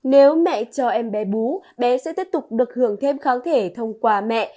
nếu mẹ cho em bé bú bé sẽ tiếp tục được hưởng thêm kháng thể thông qua mẹ